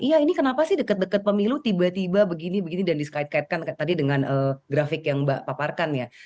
iya ini kenapa sih dekat dekat pemilu tiba tiba begini begini dan dikait kaitkan tadi dengan grafik yang mbak paparkan ya